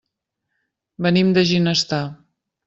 Venim de Ginestar.